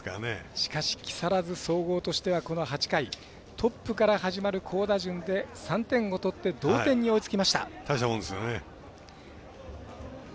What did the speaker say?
しかし木更津総合としてはこの８回トップから始まる好打順で３点を取って同点に追いつきました。